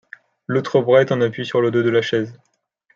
L'autre bras est en appui sur le dos de la chaise.